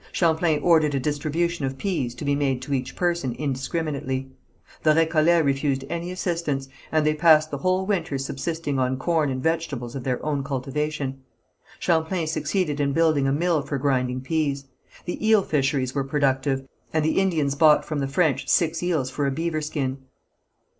Champlain ordered a distribution of pease to be made to each person indiscriminately. The Récollets refused any assistance, and they passed the whole winter subsisting on corn and vegetables of their own cultivation. Champlain succeeded in building a mill for grinding pease. The eel fisheries were productive, and the Indians bought from the French six eels for a beaver skin.